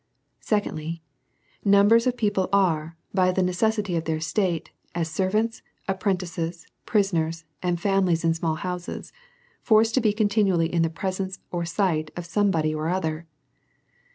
Sccondlj/, Numbers of people are by the necessity of their state, as servants, apprentices, prisoners, and families in small houses, forced to be continually in the presence or sight of somebody or other.